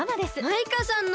マイカさんの！